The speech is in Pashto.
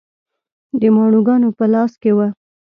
د ماڼوګانو په لاس کې و.